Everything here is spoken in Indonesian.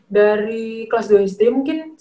dari kelas dua sd mungkin